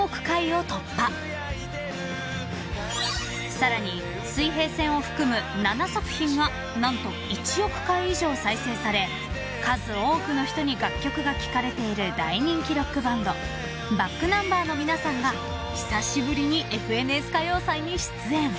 ［さらに『水平線』を含む７作品が何と１億回以上再生され数多くの人に楽曲が聞かれている大人気ロックバンドｂａｃｋｎｕｍｂｅｒの皆さんが久しぶりに『ＦＮＳ歌謡祭』に出演］